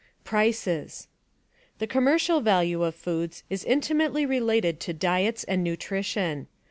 Prices The commercial value of foods is intimately related to diets and nutrition.